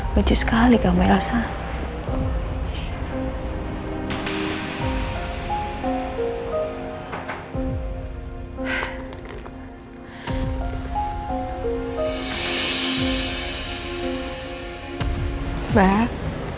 gue takut lo pasti bakal marah banget sama gue mbak